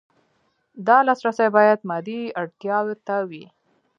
دا لاسرسی باید مادي اړتیاوو ته وي.